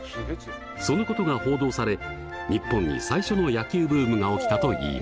そのことが報道され日本に最初の野球ブームが起きたといいます。